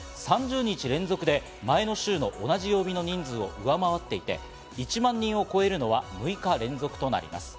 ３０日連続で前の週の同じ曜日の人数を上回っていて、１万人を超えるのは６日連続となります。